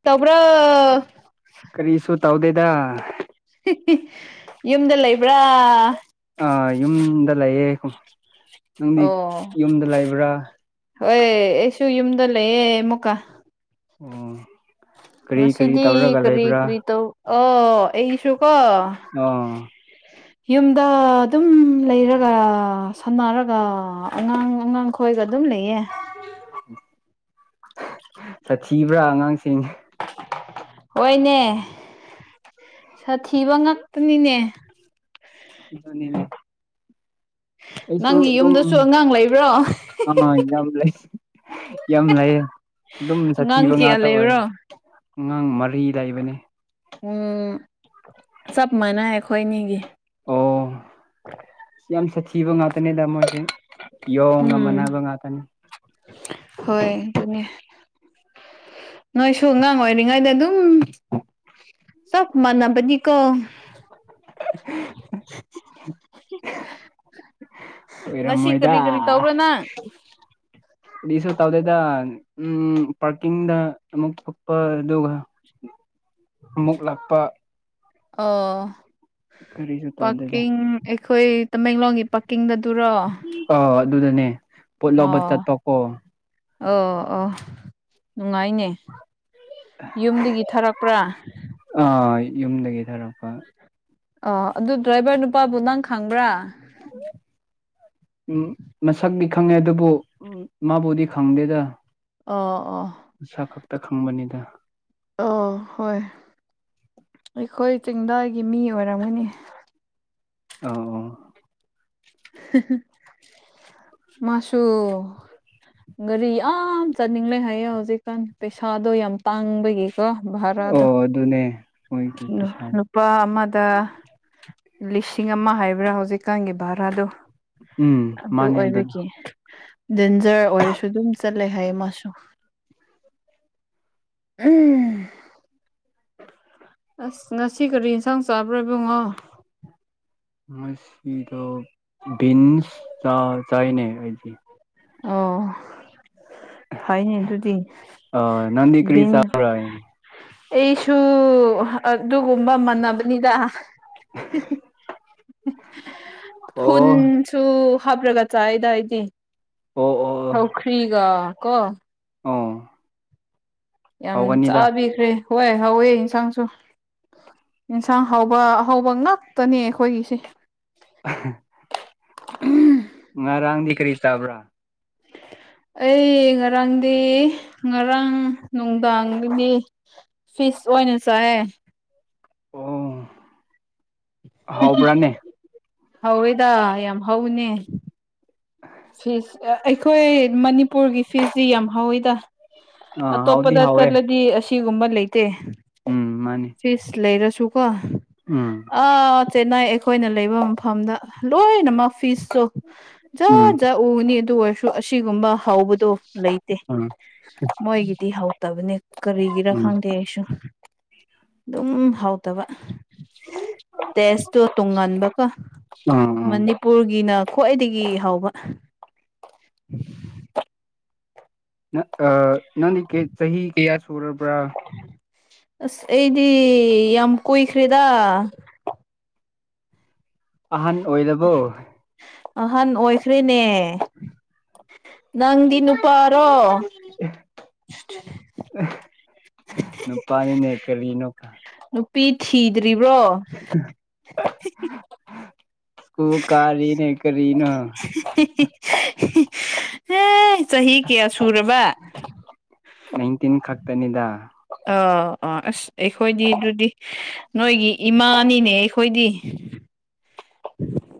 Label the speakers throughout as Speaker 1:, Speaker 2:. Speaker 1: ꯇꯧꯕ꯭ꯔꯣ
Speaker 2: ꯀꯔꯤꯁꯨꯣ ꯇꯥꯎꯗꯦꯗ
Speaker 1: ꯌꯨꯝꯗ ꯂꯩꯕ꯭ꯔꯥ
Speaker 2: ꯑ ꯌꯨꯝꯗ ꯂꯩꯌꯦꯦ ꯅꯪꯗꯤ
Speaker 1: ꯑꯣ
Speaker 2: ꯌꯨꯝꯗ ꯂꯩꯕ꯭ꯔꯥ
Speaker 1: ꯍꯣꯏ ꯑꯩꯁꯨ ꯌꯨꯝꯗ ꯂꯩꯌꯦꯦ ꯃꯨꯀꯥ
Speaker 2: ꯎꯝ
Speaker 1: ꯉ ꯁꯤꯗꯤ ꯀꯔꯤ ꯀꯔꯤ ꯇꯧ ꯑ ꯑꯩꯁꯨ ꯀꯣ
Speaker 2: ꯑꯣ
Speaker 1: ꯌꯨꯝꯗ ꯑꯗꯨꯝ ꯂꯩꯔꯒ ꯁꯥꯟꯅꯔꯒꯥ ꯑꯉꯥꯡ ꯑꯉꯥꯡꯈꯣꯏꯒ ꯑꯗꯨꯝ ꯂꯩꯌꯦ
Speaker 2: [inaudible] ꯊꯤꯕ꯭ꯔꯥ ꯑꯉꯥꯡꯁꯤꯡ
Speaker 1: ꯍꯣꯏꯅꯦ ꯁꯥꯊꯤꯕ ꯉꯥꯛꯇꯅꯤꯅꯦ
Speaker 2: ꯗꯨꯅꯤꯅꯦ ꯑꯩꯁꯨ
Speaker 1: ꯅꯪꯒꯤ
Speaker 2: ꯑꯗꯨꯝ
Speaker 1: ꯌꯨꯝꯗꯁꯨ ꯑꯉꯥꯡ ꯂꯩꯕ꯭ꯔꯣ
Speaker 2: ꯑꯃ ꯌꯥꯝ ꯂꯩ ꯌꯥꯝ ꯂꯩꯌꯦ ꯑꯗꯨꯝ
Speaker 1: ꯑꯉꯥꯡ
Speaker 2: ꯁꯥꯊꯤꯕ
Speaker 1: ꯀꯌꯥ
Speaker 2: ꯉꯥꯛꯇ ꯑꯣꯏ
Speaker 1: ꯂꯩꯕ꯭ꯔꯣ
Speaker 2: ꯑꯉꯥꯡ ꯃꯔꯤ ꯂꯩꯕꯅꯤ
Speaker 1: ꯎꯝ ꯆꯞ ꯃꯥꯟꯅꯩ ꯑꯩꯈꯣꯏꯅꯤꯒꯤ
Speaker 2: ꯑꯣ ꯁꯤ ꯌꯥꯝ ꯁꯥꯊꯤ ꯀꯤꯕ ꯉꯥꯛꯇꯅꯤꯗ ꯃꯣꯏꯁꯦ ꯌꯣꯡꯒ
Speaker 1: ꯎꯝ
Speaker 2: ꯃꯥꯟꯅꯕ ꯉꯥꯇꯅꯤ
Speaker 1: ꯍꯣꯏ ꯑꯗꯨꯅꯦ ꯅꯣꯏꯁꯨ ꯑꯉꯥꯡ ꯑꯣꯏꯔꯤꯉꯩꯗ ꯑꯗꯨꯝ ꯆꯞ ꯃꯥꯟꯅꯕꯅꯤꯀꯣ
Speaker 2: [unintelligible] [inaudible] [inaudible]
Speaker 1: ꯉꯁꯤ ꯀꯔꯤ ꯀꯔꯤ ꯇꯧꯕ꯭ꯔꯥ ꯅꯪ
Speaker 2: ꯀꯔꯤꯁꯨ ꯇꯧꯗꯦꯗ ꯎꯝ ꯄꯥꯔꯀꯤꯡꯗ ꯑꯃꯨꯛ ꯊꯣ ꯄ ꯑꯗꯨꯒ ꯑꯃꯨꯛ ꯂꯥꯛꯄ
Speaker 1: ꯑꯣ
Speaker 2: ꯀꯔꯤꯁꯨ ꯇꯧꯗꯦꯗ
Speaker 1: ꯄꯥꯛꯀꯤꯡ ꯑꯩꯈꯣꯏ ꯇꯃꯦꯡꯂꯣꯡꯒꯤ ꯄꯥꯀꯤꯡꯗꯗꯤ
Speaker 2: ꯑꯣ ꯑꯗꯨꯗꯅꯦ ꯄꯣꯠ ꯂꯧꯕ
Speaker 1: ꯑꯣ
Speaker 2: ꯆꯠꯄꯀꯣ
Speaker 1: ꯑꯣ ꯑꯣ ꯅꯨꯡꯉꯥꯏꯅꯦ ꯌꯨꯝꯗꯒꯤ ꯊꯥꯔꯛꯄ꯭ꯔꯥ
Speaker 2: ꯑꯥ ꯌꯨꯝꯗꯒꯤ ꯊꯥꯔꯛꯄ
Speaker 1: ꯑ ꯑꯗꯨ ꯗ꯭ꯔꯥꯏꯚꯔ ꯅꯨꯄꯥꯕꯨ ꯅꯪ ꯈꯪꯕ꯭ꯔꯥ
Speaker 2: ꯎꯝ ꯃꯁꯛꯗꯤ ꯈꯪꯉꯦ ꯑꯗꯨꯕꯨ ꯃꯥꯕꯨꯗꯤ ꯈꯪꯗꯦꯗ
Speaker 1: ꯑꯣ ꯑꯣ
Speaker 2: ꯃꯁꯛ ꯈꯛꯇ ꯈꯪꯕꯅꯤꯗ
Speaker 1: ꯑꯣ ꯍꯣꯏ ꯑꯩꯈꯣꯏ ꯆꯤꯡꯗꯥꯏꯒꯤ ꯃꯤ ꯑꯣꯏꯔꯝꯒꯅꯤ
Speaker 2: ꯑꯧ ꯑꯣ
Speaker 1: ꯃꯥꯁꯨ ꯒꯥꯔꯤ ꯌꯥꯝ ꯆꯠꯅꯤꯡꯂꯦ ꯍꯥꯏꯌꯦ ꯍꯧꯖꯤꯛꯀꯥꯟ ꯄꯩꯁꯥꯗꯣ ꯌꯥꯝ ꯇꯥꯡꯕꯒꯤ ꯀꯣ ꯚꯔꯥꯗꯣ
Speaker 2: ꯑꯣ ꯑꯗꯨꯅꯦ ꯃꯣꯏꯒꯤ ꯄꯩꯁꯥ
Speaker 1: ꯅꯨꯄꯥ ꯑꯃꯗ ꯂꯤꯁꯤꯡ ꯑꯃ ꯍꯥꯏꯕ꯭ꯔꯥ ꯍꯧꯖꯤꯛꯀꯥꯟꯒꯤ ꯚꯔꯥꯗꯣ
Speaker 2: ꯎꯝ
Speaker 1: ꯑꯗꯨ
Speaker 2: ꯃꯥꯅꯦ ꯑꯗꯨꯅ
Speaker 1: ꯑꯣꯏꯕꯒꯤ ꯗꯦꯟꯖꯔ ꯑꯣꯏꯔꯁꯨ ꯑꯗꯨꯝ ꯆꯠꯂꯦ ꯍꯥꯏꯌꯦ ꯃꯥꯁꯨ ꯎꯝ ꯑꯁ ꯉꯁꯤ ꯀꯔꯤ ꯌꯦꯟꯁꯥꯡ ꯆꯥꯕ꯭ꯔꯥ ꯏꯕꯨꯡꯉꯣ
Speaker 2: ꯉꯁꯤꯗꯣ ꯕꯤꯟꯁ ꯆꯥ ꯆꯥꯏꯅꯦ ꯑꯩꯗꯤ
Speaker 1: ꯑꯣ ꯐꯩꯅꯦ ꯑꯗꯨꯗꯤ
Speaker 2: ꯑ ꯅꯪꯗꯤ ꯀꯔꯤ ꯆꯥ [unintelligible]
Speaker 1: ꯕꯤꯟꯁ ꯑꯩꯁꯨ ꯑꯗꯨꯒꯨꯝꯕ ꯃꯥꯟꯅꯕꯅꯤꯗ [unintelligible] [unintelligible] ꯍꯨꯟꯁꯨ ꯍꯥꯞꯔꯒ ꯆꯥꯏꯗ ꯑꯩꯗꯤ
Speaker 2: ꯑꯣ ꯑꯣ ꯑꯣ
Speaker 1: ꯁꯧꯈꯔꯤꯒ ꯀꯣ
Speaker 2: ꯑꯣ
Speaker 1: ꯌꯥꯝ
Speaker 2: ꯍꯥꯎꯒꯅꯤꯗ
Speaker 1: ꯆꯥꯕꯤꯈ꯭ꯔꯦ ꯍꯣꯏ ꯍꯥꯎꯋꯦ ꯏꯟꯁꯥꯡꯁꯨ ꯑꯦꯟꯁꯥꯡ ꯍꯥꯎꯕ ꯑꯍꯥꯎꯕ ꯉꯥꯛꯇꯅꯦ ꯑꯈꯣꯏꯒꯤꯁꯦ
Speaker 2: [unintelligible]
Speaker 1: [unintelligible]
Speaker 2: ꯉꯔꯥꯡꯗꯤ ꯀꯔꯤ ꯆꯥꯕ꯭ꯔꯥ
Speaker 1: ꯑꯩ ꯉꯔꯥꯡꯗꯤ ꯉꯔꯥꯡ ꯅꯨꯡꯗꯥꯡꯗꯒꯤ ꯐꯤꯁ ꯑꯣꯏꯅ ꯆꯥꯏ
Speaker 2: ꯑꯣ ꯍꯥꯎꯕ꯭ꯔꯥꯅꯦ
Speaker 1: ꯍꯧꯋꯦꯗ ꯌꯥꯝ ꯍꯧꯕꯅꯦ ꯐꯤꯁ ꯑꯩꯈꯣꯏ ꯃꯅꯤꯄꯨꯔꯒꯤ ꯐꯤꯁꯁꯤ ꯌꯥꯝ ꯍꯧꯋꯤꯗ
Speaker 2: ꯑꯥ ꯍꯥꯎꯗꯤ
Speaker 1: ꯑꯇꯣꯞꯄꯗ
Speaker 2: ꯍꯥꯎꯋꯦ
Speaker 1: ꯆꯠꯂꯗꯤ ꯑꯁꯤ ꯁꯤꯒꯨꯝꯕ ꯂꯩ ꯇꯦ
Speaker 2: ꯎꯝ ꯃꯥꯅꯤ
Speaker 1: ꯐꯤꯁ ꯂꯩꯔꯁꯨ ꯁꯨꯀꯣ
Speaker 2: ꯎꯝ
Speaker 1: ꯑ ꯆꯦꯟꯅꯥꯏ ꯑꯦꯛꯁ ꯑꯈꯣꯏꯅ ꯂꯩꯕ ꯃꯐꯝꯗ ꯂꯣꯏꯅꯃꯛ ꯐꯤꯁꯇꯣ
Speaker 2: ꯎꯝ
Speaker 1: ꯎꯅꯤ ꯑꯗꯨ ꯑꯣꯏꯔꯁꯨ ꯑꯁꯤꯒꯨꯝꯕ ꯍꯥꯎꯕꯗꯣ ꯂꯩꯇꯦ
Speaker 2: ꯎꯝ
Speaker 1: ꯃꯣꯏꯒꯤꯗꯤ ꯍꯥꯎꯇꯕꯅꯦ ꯀꯔꯤꯒꯤꯔ
Speaker 2: ꯎꯝ
Speaker 1: ꯈꯪꯗꯦ ꯑꯩꯁꯨ ꯑꯗꯨꯝ ꯍꯥꯎ ꯇꯕ ꯇꯦꯁꯇꯣ ꯇꯨꯡꯉꯟꯥꯟꯕꯀ
Speaker 2: ꯎꯝ
Speaker 1: ꯃꯅꯤꯄꯨꯔꯒꯤꯅ ꯈ꯭ꯋꯥꯏꯗꯒꯤ ꯍꯥꯎꯕ [inaudible]
Speaker 2: ꯑ ꯑ ꯅꯅꯤ ꯀꯦ ꯆꯍꯤꯍꯤ ꯏꯠ ꯁꯨꯔꯄ
Speaker 1: ꯑꯁ ꯑꯩꯗꯤ ꯌꯥꯝ ꯀꯨꯏꯈ꯭ꯔꯦꯗ
Speaker 2: ꯑꯍꯟ ꯑꯣꯏꯔꯕꯣ
Speaker 1: ꯑꯍꯟ ꯑꯣꯏꯈ꯭ꯔꯦꯅꯦ ꯅꯪꯗꯤ ꯅꯨꯄꯥꯔꯣ
Speaker 2: ꯅ ꯄꯅꯤ ꯅ ꯀꯂꯤꯅꯣꯀ
Speaker 1: ꯅꯨꯄꯤ ꯊꯤꯗꯔꯤ ꯔꯤꯕ꯭ꯔꯣ
Speaker 2: ꯁꯨ ꯀꯥꯔꯤꯅꯦ ꯀꯔꯤꯅꯣ
Speaker 1: [inaudible] ꯍꯝ ꯆꯍꯤ ꯀꯌꯥ ꯁꯨꯔꯕ
Speaker 2: ꯅꯥꯏꯟꯇꯤꯟ ꯈꯛꯇꯅꯤꯗ
Speaker 1: ꯑꯥ ꯑꯥ ꯑꯁ ꯑꯩꯈꯣꯏꯗꯤ ꯑꯗꯨꯗꯤ ꯅꯣꯏꯒꯤ ꯏꯃꯥꯅꯤꯅꯦ ꯑꯩꯈꯣꯏꯗꯤ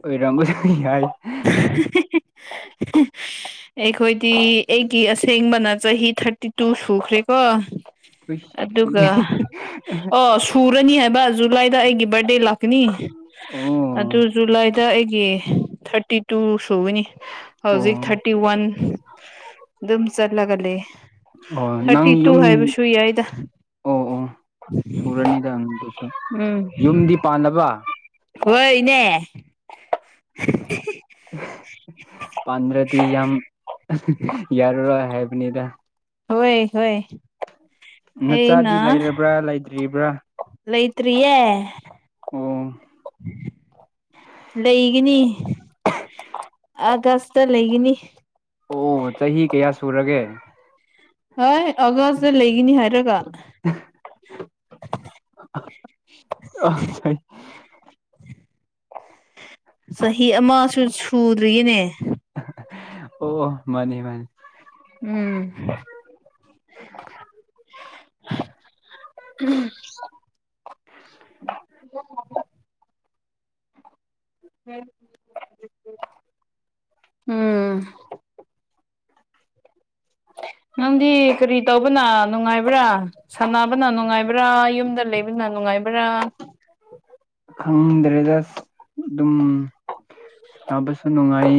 Speaker 2: ꯑꯣꯏꯔꯪꯁꯨꯅꯤ ꯌꯥꯏ
Speaker 1: [inaudible] ꯑꯩꯈꯣꯏꯗꯤ ꯑꯩꯒꯤ ꯑꯁꯦꯡꯕꯅ ꯆꯍꯤ ꯊꯥꯔꯇꯤ ꯇꯨ ꯁꯨꯈ꯭ꯔꯦꯀꯣ
Speaker 2: ꯎꯏꯁ
Speaker 1: ꯑꯗꯨꯒ
Speaker 2: ꯁꯤꯗꯤ
Speaker 1: ꯑꯣ ꯁꯨꯔꯅꯤ ꯍꯥꯏꯕ ꯖꯨꯂꯥꯏꯗ ꯑꯩꯒꯤ ꯕꯥꯔꯗꯦ ꯂꯥꯛꯀꯅꯤ
Speaker 2: ꯑꯣ
Speaker 1: ꯑꯗꯨ ꯖꯨꯂꯥꯏꯗ ꯑꯩꯒꯤ ꯊꯥꯔꯇꯤ ꯐꯥꯇꯤ ꯇꯨ ꯁꯨꯕꯅꯤ
Speaker 2: ꯑꯣ
Speaker 1: ꯍꯧꯖꯤꯛ ꯊꯥꯔꯇꯤ ꯋꯥꯟ ꯑꯗꯨꯝ ꯆꯠꯂꯒ ꯂꯩ
Speaker 2: ꯑꯣ ꯅꯪ
Speaker 1: ꯊꯥꯔꯇꯤ ꯇꯨ
Speaker 2: ꯌꯨꯝ
Speaker 1: ꯍꯥꯏꯕꯁꯨ ꯌꯥꯏꯗ
Speaker 2: ꯑꯣ ꯑꯣ ꯁꯨꯔꯅꯤꯗꯪ ꯑꯗꯨꯁꯨ
Speaker 1: ꯎꯝ
Speaker 2: ꯌꯨꯝꯗꯤ ꯄꯥꯟꯂꯕꯥ
Speaker 1: ꯍꯣꯏꯅꯦ
Speaker 2: ꯄꯗ꯭ꯔꯗꯤ ꯌꯥꯝ ꯌꯥꯔ ꯍꯥꯏ ꯃ‌ꯦꯗꯥ
Speaker 1: ꯍꯣꯏ ꯍꯣꯏ
Speaker 2: ꯅꯆꯥꯗꯤ
Speaker 1: ꯑꯩꯅ
Speaker 2: ꯂꯩꯔꯕ꯭ꯔꯥ ꯂꯩꯗ꯭ꯔꯤꯕ꯭ꯔꯥ
Speaker 1: ꯂꯩꯇ꯭ꯔꯤꯌꯦ ꯂꯩꯒꯅꯤ ꯑꯥꯒꯁꯇ ꯂꯩꯒꯅꯤ
Speaker 2: ꯑꯣ ꯆꯍꯤ ꯀꯌꯥ ꯁꯨꯔꯒꯦ
Speaker 1: ꯍꯣꯏ ꯑꯒꯁ ꯂꯩꯒ ꯅꯤ ꯍꯥꯏꯔꯒ
Speaker 2: ꯑ ꯆꯍꯤ
Speaker 1: ꯆꯍꯤ ꯑꯃꯁꯨ ꯁꯨꯗ꯭ꯔꯤꯌꯦꯅꯦ
Speaker 2: ꯑꯣ ꯃꯥꯅꯤ ꯃꯥꯅꯤ
Speaker 1: ꯎꯝ ꯎꯝ [inaudible] ꯎꯝ ꯅꯪꯗꯤ ꯀꯔꯤ ꯇꯧꯕꯅ ꯅꯨꯡꯉꯥꯏꯕ꯭ꯔꯥ ꯁꯥꯟꯅꯕꯅ ꯅꯨꯡꯉꯥꯏꯕ꯭ꯔꯥ ꯌꯨꯝꯗ ꯂꯩꯕꯅꯥ ꯅꯨꯡꯉꯥꯏꯕ꯭ꯔꯥ
Speaker 2: ꯈꯪꯗ꯭ꯔꯦꯗ ꯑꯗꯨꯝ ꯁꯅꯕꯁꯨ ꯅꯨꯡꯉꯥꯏ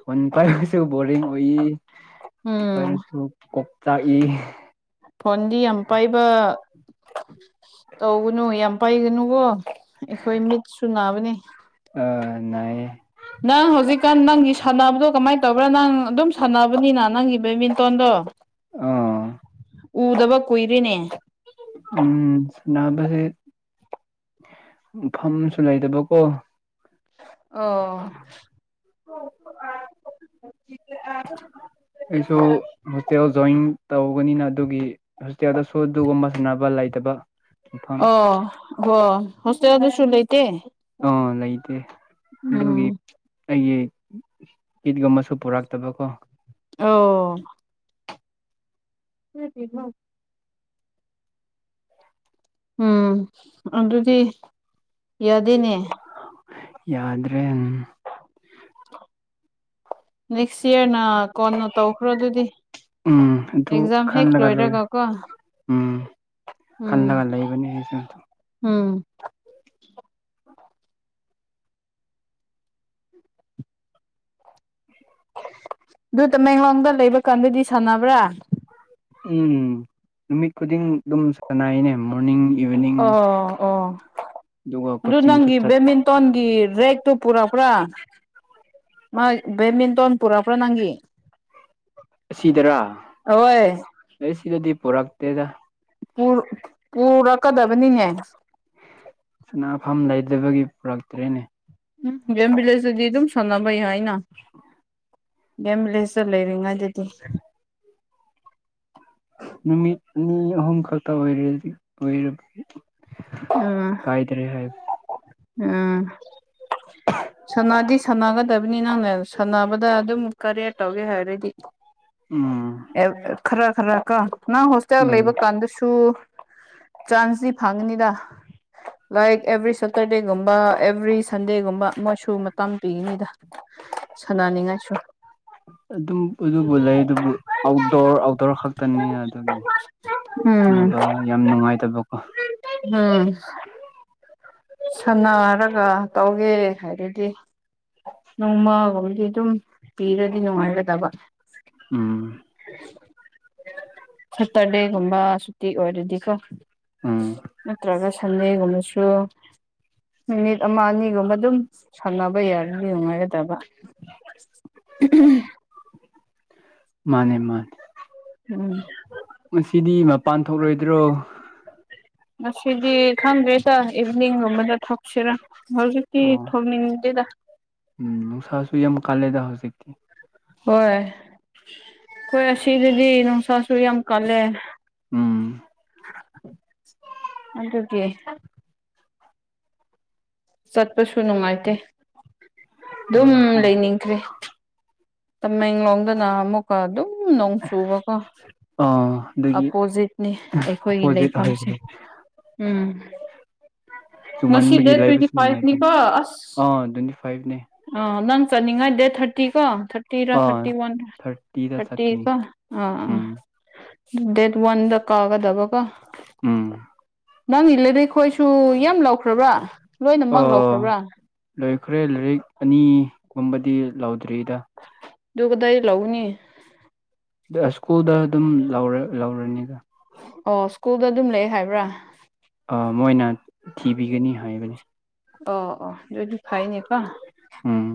Speaker 2: ꯐꯣꯟ ꯄꯥꯏꯕꯁꯨ ꯕꯣꯔꯤꯡ ꯑꯣꯏꯏ
Speaker 1: ꯎꯝ
Speaker 2: ꯄꯔꯁꯨ ꯀꯣꯛ ꯇꯥꯛꯏ
Speaker 1: ꯐꯣꯟꯗꯤ ꯌꯥꯝ ꯄꯥꯏꯕ ꯇꯧꯒꯅꯨ ꯌꯥꯝ ꯄꯥꯏꯒꯅꯨꯕꯣ ꯑꯩꯈꯣꯏ ꯃꯤꯠꯁꯨ ꯅꯥꯕꯅꯦ
Speaker 2: ꯑ ꯅꯥꯏꯌꯦ
Speaker 1: ꯅꯪ ꯍꯧꯖꯤꯛꯀꯥꯟ ꯅꯪꯒꯤ ꯁꯥꯟꯅꯕꯗꯣ ꯀꯃꯥꯏꯅ ꯇꯧꯕ꯭ꯔꯥ ꯅꯪ ꯑꯗꯨꯝ ꯁꯥꯟꯅꯕꯅꯤꯅ ꯅꯪꯒꯤ ꯃꯦ
Speaker 2: ꯑꯥ
Speaker 1: ꯎꯗꯕ ꯀꯨꯏꯔꯤꯅꯦ
Speaker 2: ꯎꯝ ꯁꯅꯥꯕꯁꯦ ꯃꯐꯝꯁꯨ ꯂꯩꯇꯕꯀꯣ
Speaker 1: ꯍ ꯍ
Speaker 2: ꯑꯩꯁꯨ ꯍꯣꯇꯦꯜ ꯖ ꯣꯏꯟ ꯇꯧꯒꯅꯤꯅ ꯑꯗꯨꯒꯤ ꯍꯣꯁꯇꯦꯜꯗ ꯁꯎ ꯑꯗꯨꯒꯨꯝꯕ ꯁꯥꯟꯅꯕ ꯂꯩꯇꯕ ꯃꯐꯝ
Speaker 1: ꯑꯣ ꯍ ꯍꯣꯁꯇꯦꯜꯗꯁꯨ ꯂꯩ
Speaker 2: ꯑ ꯂꯩꯇꯦ ꯑꯗꯨꯒꯤ ꯑꯩꯒꯤ ꯀꯩꯒꯨꯝꯕꯁꯨ ꯄꯨꯔꯛꯇꯕ ꯀꯣ
Speaker 1: ꯑꯣ [inaudible] ꯎꯝ ꯑꯗꯨꯗꯤ ꯌꯥꯗꯦꯅꯦ
Speaker 2: ꯌꯥꯗ꯭ꯔꯦ ꯎꯝ
Speaker 1: ꯅꯦꯛꯁ ꯏꯌꯔ ꯅ ꯀꯣꯟꯅ ꯇꯧꯈ꯭ꯔꯣ ꯑꯗꯨꯗꯤ
Speaker 2: ꯎꯝ ꯑꯗꯨ
Speaker 1: ꯑꯦꯛꯖꯥꯝ ꯍꯦꯛ
Speaker 2: ꯈꯜꯂꯒ ꯂꯩ
Speaker 1: ꯂꯣꯏꯔꯒꯀꯣ
Speaker 2: ꯎꯝ
Speaker 1: ꯎꯝ
Speaker 2: ꯈꯜꯂꯒ ꯂꯩꯕꯅꯦ ꯑꯩꯁꯨ
Speaker 1: ꯎꯝ ꯑꯗꯨ ꯇꯃꯦꯡꯂꯣꯡꯗ ꯂꯩꯕ ꯀꯥꯟꯗꯗꯤ ꯁꯥꯟꯅꯕ꯭ꯔꯥ
Speaker 2: ꯎꯝ ꯅꯨꯃꯤꯠ ꯈꯨꯗꯤꯡ ꯑꯗꯨꯝ ꯁꯥꯟꯅꯥꯏꯅꯦ
Speaker 1: ꯑꯣ ꯑꯣ
Speaker 2: ꯑꯗꯨꯒ
Speaker 1: ꯑꯗꯨ
Speaker 2: ꯀꯣꯆꯤꯡꯁꯨ
Speaker 1: ꯅꯪꯒꯤ
Speaker 2: ꯆꯠ
Speaker 1: ꯕꯦꯠꯃꯤꯟꯇꯣꯟꯒꯤ ꯔꯦꯠ ꯇꯨ ꯄꯨꯔꯛꯄ꯭ꯔꯥ ꯃꯥ ꯕꯦꯠꯃꯤꯟꯇꯣꯟ ꯄꯨꯔꯛꯄ꯭ꯔꯥ ꯅꯪꯒꯤ
Speaker 2: ꯑꯁꯤꯗꯔꯥ
Speaker 1: ꯍꯣꯏ
Speaker 2: ꯁꯤꯗ ꯄꯨꯔꯛꯇꯗ
Speaker 1: ꯄꯨ ꯄꯨꯔꯛꯀꯗꯕꯅꯤꯅꯦ
Speaker 2: ꯁꯅꯐꯝ ꯂꯩꯗꯕꯒꯤ ꯄꯨꯔꯛꯇ꯭ꯔꯦꯅꯦ
Speaker 1: ꯎ ꯦꯝꯕꯤ ꯂꯩꯁꯨꯗꯤꯗꯨ ꯁꯣꯅꯥꯕꯥꯩ ꯍꯥꯏꯅ ꯒꯦꯝꯂꯁꯨ ꯂꯩꯔꯤꯉꯥꯏ ꯑꯗꯨꯗꯤ
Speaker 2: ꯅꯨꯃꯤꯠꯅꯤ ꯑꯍꯨꯝ ꯈꯛꯇ ꯑꯣꯏꯔꯦꯗꯤ ꯑꯣꯏ ꯀꯥꯏ ꯇꯔꯦ ꯍꯥꯏꯕ
Speaker 1: ꯑꯥ ꯁꯥꯟꯅꯒꯗꯕꯅꯤ ꯅꯪꯅꯦ ꯁꯥꯟꯅꯕꯗ ꯑꯗꯨꯝ ꯀꯔꯤꯌꯔ ꯇꯧꯒꯦ ꯍꯥꯏꯔꯗꯤ
Speaker 2: ꯎꯝ
Speaker 1: ꯈꯔ ꯈꯔ ꯀ ꯅꯪ ꯍꯣꯁꯇꯦꯜ
Speaker 2: ꯎꯝ
Speaker 1: ꯂꯩꯕ ꯀꯥꯟꯗꯁꯨ ꯆꯥꯟꯁꯇꯗꯤ ꯐꯪꯉꯅꯤꯗ ꯂꯥꯏꯛ ꯑꯦꯕ꯭ꯔꯤ ꯁꯦꯇꯔꯗꯦꯒꯨꯝꯕ ꯑꯦꯕ꯭ꯔꯤ ꯁꯟꯗꯦꯒꯨꯝꯕꯣꯏ ꯁꯨ ꯃꯇꯝ ꯄꯤꯅꯤꯗ
Speaker 2: ꯑꯗꯨꯝ ꯑꯗꯨꯕꯨ ꯂꯩ ꯑꯗꯨꯕꯨ ꯑꯥꯎꯠꯗꯣꯔ ꯑꯥꯎꯠꯗꯣꯔ ꯈꯛꯇꯅꯤ
Speaker 1: ꯎꯝ
Speaker 2: ꯑꯗꯨꯒꯤꯅꯕ ꯌꯥꯝ ꯅꯨꯡꯉꯥꯏꯇꯕꯀꯣ
Speaker 1: ꯎꯝ ꯁꯥꯟꯅꯔꯒ ꯇꯧꯒꯦ ꯍꯥꯏꯗꯤ ꯅꯣꯡꯃꯒꯨꯝꯗꯤ ꯑꯗꯨꯝ ꯄꯤꯔꯗꯤ ꯅꯨꯡꯉꯥꯏꯒꯗꯕ
Speaker 2: ꯎꯝ
Speaker 1: ꯁꯠꯇꯔꯦ ꯨꯝꯕ ꯁꯨꯇꯤ ꯑꯣꯏꯔꯗꯤꯀꯣ
Speaker 2: ꯎꯝ
Speaker 1: ꯅꯠꯇ꯭ꯔꯒꯁ ꯑꯅꯦꯒꯨꯝꯕꯁꯨ ꯃꯤꯃꯤꯠ ꯑꯃ ꯑꯅꯤꯒꯨꯝꯕ ꯑꯗꯨꯝ ꯁꯥꯟꯅꯕ ꯌꯥꯔꯗꯤ ꯅꯨꯡꯉꯥꯏꯒꯗꯕ
Speaker 2: ꯃꯥꯅꯦ ꯃꯥꯅꯦ
Speaker 1: ꯎꯝ
Speaker 2: ꯄꯥꯟ ꯊꯣꯛꯣꯛꯂꯣꯏꯗ꯭ꯔꯣ
Speaker 1: ꯉꯁꯤꯗꯤ ꯈꯪꯗ꯭ꯔꯦꯗ ꯏꯚꯅꯤꯡꯒꯨꯝꯕꯗ ꯔꯥ
Speaker 2: ꯑꯣ ꯎꯝ ꯁꯥꯁꯨꯨ ꯌꯥꯝ ꯃ ꯀꯥ ꯂꯩꯗ ꯍꯧꯁꯤ ꯑꯣꯀꯦ
Speaker 1: ꯍꯣꯏ ꯍꯈꯣꯏ ꯑꯁꯤꯗꯗꯤ ꯅꯨꯡꯁꯥ ꯁꯨꯝ ꯀꯂ
Speaker 2: ꯎꯝ
Speaker 1: ꯑ ꯑꯗꯨ ꯁꯠ ꯆ ꯀꯁꯨ ꯅꯨꯡꯉꯥꯏꯇꯦ ꯑꯗꯨꯝ
Speaker 2: ꯅꯨꯡꯉꯥꯏꯇꯦ
Speaker 1: ꯂꯩꯅꯤꯡꯈ꯭ꯔꯦ ꯇꯃꯦ ꯏꯣꯪꯗꯅ ꯑꯃ ꯀ ꯑꯗꯨꯣ ꯎꯝ ꯅꯣꯡ ꯆꯨꯕꯀꯣ
Speaker 2: ꯑꯥ ꯑꯗꯨꯒꯤ
Speaker 1: ꯑꯄꯣꯖꯤꯠꯅꯤ ꯑꯩꯈꯣꯏꯒꯤ
Speaker 2: ꯑꯄꯣꯖꯤꯠ
Speaker 1: ꯂꯩꯐꯝꯁꯦ
Speaker 2: ꯑꯣꯏꯈ꯭ꯔꯦ
Speaker 1: ꯎꯝ ꯉꯁꯤ
Speaker 2: ꯆꯨꯝꯃꯟꯕꯒꯤ
Speaker 1: ꯗꯦꯠ ꯇ꯭ꯋꯦꯟꯇꯤ
Speaker 2: ꯂꯩꯕꯁꯨ ꯅꯨꯡꯉꯥꯏꯇꯦ
Speaker 1: ꯐꯥꯏꯚꯅꯤꯀꯣ ꯑꯁ
Speaker 2: ꯑꯥ ꯇ꯭ꯋꯦꯟꯇꯤ ꯐꯥꯏꯚꯅꯦ
Speaker 1: ꯑ ꯅꯪ ꯆꯅꯤꯡꯉꯥꯏ ꯗꯦꯠ ꯊꯥꯔꯇꯤ ꯀꯣ ꯊꯔꯇ ꯔ
Speaker 2: ꯑꯥ
Speaker 1: ꯊꯔꯇ ꯋꯥꯟ
Speaker 2: ꯊꯥꯔꯇꯤꯗ
Speaker 1: ꯊꯔꯇ
Speaker 2: ꯆꯠꯀꯅꯤ
Speaker 1: ꯀ ꯑ ꯑ
Speaker 2: ꯎꯝ
Speaker 1: ꯗꯦꯠ ꯋꯥꯟ ꯀꯥꯒꯗꯕꯒ
Speaker 2: ꯎꯝ
Speaker 1: ꯅꯪ ꯏꯜꯂꯗꯤ ꯑꯩꯈꯣꯏꯁꯨ ꯌꯥꯝ ꯂꯧꯈ꯭ꯔꯕ꯭ꯔꯥ ꯂꯣꯏꯅꯃꯛ
Speaker 2: ꯑꯥ
Speaker 1: ꯂꯧꯈ꯭ꯔꯕ꯭ꯔꯥ
Speaker 2: ꯂꯣꯏꯈ꯭ꯔꯦ ꯂꯥꯏꯔꯤꯛ ꯑꯅꯤꯒꯨꯝꯕꯗꯤ ꯂꯧꯥꯎꯗ꯭ꯔꯤꯗ
Speaker 1: ꯀꯗꯏ ꯂꯎꯅꯤ
Speaker 2: ꯁ꯭ꯀꯨꯜꯗ ꯑꯗꯨꯝ ꯂꯧꯔ ꯂꯧꯔꯅꯤꯒ
Speaker 1: ꯑꯣ ꯁ꯭ꯀꯨꯜꯗ ꯑꯗꯨꯝ ꯂꯩ ꯍꯥꯏꯕ꯭ꯔꯥ
Speaker 2: ꯑꯥ ꯃꯣꯏꯅ ꯊꯤꯕꯤꯒꯅꯤ ꯍꯥꯏꯕꯅꯤ
Speaker 1: ꯑꯣ ꯑꯣ ꯌꯣꯏꯁꯨ ꯈꯥꯏꯅꯦ ꯀ
Speaker 2: ꯎꯝ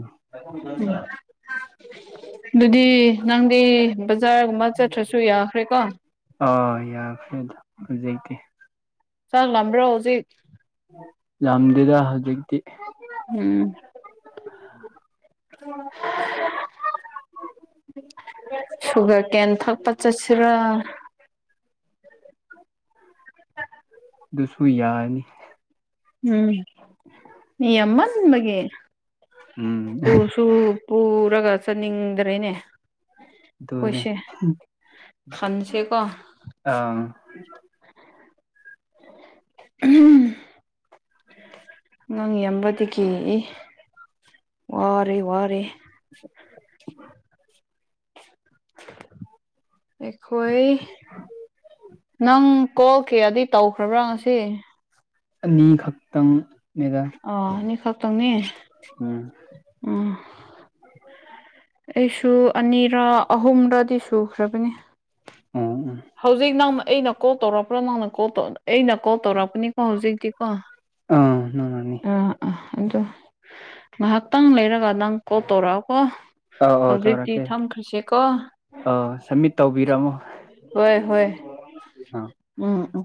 Speaker 1: [inaudible] ꯑꯗꯨꯗꯤ ꯅꯪꯗꯤ ꯕꯖꯥꯔꯒꯨꯝꯕ ꯆꯠꯇ꯭ꯔꯁꯨ ꯌꯥꯈ꯭ꯔꯦꯀꯣ
Speaker 2: ꯑ ꯌꯥꯔꯔꯦ ꯑꯗ ꯍꯧꯖꯤꯛꯛꯇ
Speaker 1: ꯆꯥꯛꯂꯝ꯭ꯔꯣ ꯍꯧꯖꯤꯛ
Speaker 2: ꯌꯥꯝꯝꯗꯗ ꯍꯧꯖ
Speaker 1: ꯍ ꯎꯝ ꯎ ꯁꯨꯒꯔ ꯀꯦꯟ ꯊꯛꯄ ꯆꯠꯁꯤꯔꯥ
Speaker 2: [inaudible]
Speaker 1: [inaudible]
Speaker 2: ꯑꯗꯨꯁꯨꯕꯨ ꯌꯥꯔꯅꯤ
Speaker 1: ꯎꯝ ꯑꯃ ꯎ ꯃꯒꯤ
Speaker 2: ꯎꯝ
Speaker 1: ꯄ ꯁꯨ ꯄꯔꯒꯗ ꯆꯅꯤꯡꯗ꯭ꯔꯦꯅꯦ
Speaker 2: ꯇꯣꯅꯦꯦ
Speaker 1: ꯈꯟꯁꯦꯀꯣ
Speaker 2: ꯑꯥ
Speaker 1: ꯎꯝ ꯅꯪ ꯌꯕꯗꯤ ꯀꯤꯛꯏ ꯋꯥꯔꯦ ꯋꯥꯔꯦ ꯑ ꯍꯣꯏ ꯅꯪ ꯀꯣꯜ ꯀꯦ ꯑꯗꯨꯩ ꯇꯧ ꯐꯕ꯭ꯔꯪꯁꯤ
Speaker 2: ꯅꯤꯈꯥꯛꯛꯇꯪ
Speaker 1: ꯑꯣ ꯅꯤꯡꯈ ꯇꯅꯤ
Speaker 2: ꯎꯝ
Speaker 1: ꯑꯩꯁꯨ ꯑꯅꯤꯔ ꯑꯍꯨꯝꯔꯗꯤ ꯁꯨꯈ꯭ꯔꯕꯅꯤ
Speaker 2: ꯎꯝ ꯎꯝ
Speaker 1: ꯍꯧꯖꯤꯛ ꯅꯪ ꯑꯩꯅ ꯀꯣꯜ ꯇꯧꯔꯛꯄ꯭ꯔꯥ ꯅꯪꯅ ꯀꯣꯜ ꯑꯩꯅ ꯀꯣꯜ ꯇꯧꯔꯛꯄꯅꯤꯀꯣ ꯍꯧꯖꯤꯛꯇꯤ ꯀ ꯑ
Speaker 2: ꯑꯥ ꯅꯪꯅꯅꯤ
Speaker 1: ꯑ ꯑꯗ ꯉꯥꯏꯍꯥꯛꯇꯪ ꯂꯩꯔꯒ ꯅꯪ ꯀꯣꯜ ꯇꯧꯔꯛꯑꯀꯣ
Speaker 2: ꯑꯧ ꯑꯧ
Speaker 1: ꯍꯧꯖꯤꯛꯇꯤ
Speaker 2: ꯇꯧꯔꯛꯀꯦ
Speaker 1: ꯊꯝꯈ꯭ꯔꯁꯤꯦꯀꯣ
Speaker 2: ꯑꯧ ꯁꯝꯃꯤꯠ ꯇꯧꯕꯤꯔꯝꯃꯣ
Speaker 1: ꯍꯣꯏ ꯍꯣꯏ
Speaker 2: ꯑ
Speaker 1: ꯎꯝ ꯎꯝ ꯎ